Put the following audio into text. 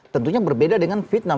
tentunya berbeda dengan vietnam